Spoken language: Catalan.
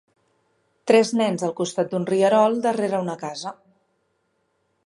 Tres nens al costat d'un rierol darrere una casa.